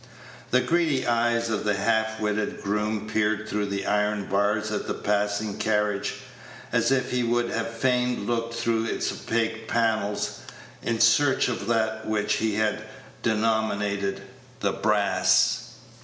The greedy eyes of the half witted groom peered through the iron bars at the passing carriage, as if he would have fain looked through its opaque panels in search of that which he had denominated "the brass."